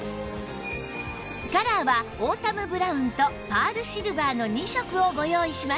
カラーはオータムブラウンとパールシルバーの２色をご用意しました